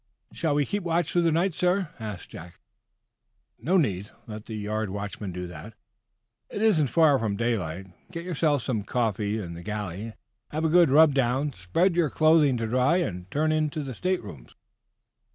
"Shall we keep watch through the night, sir?" asked Jack. "No need. Let the yard watchman do that. It isn't far from daylight. Get yourselves some coffee in the galley, have a good rub down, spread your clothing to dry, and turn in in the state rooms."